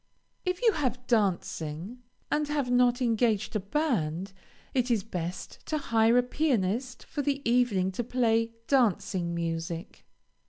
If you have dancing, and have not engaged a band, it is best to hire a pianist for the evening to play dancing music.